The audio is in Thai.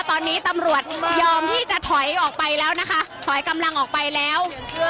ตอนนี้ตำรวจยอมที่จะถอยออกไปแล้วนะคะถอยกำลังออกไปแล้ว